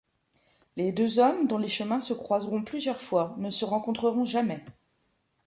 Les deux hommes, dont les chemins se croiseront plusieurs fois, ne se rencontreront jamais.